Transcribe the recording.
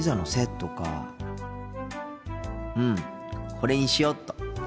これにしよっと。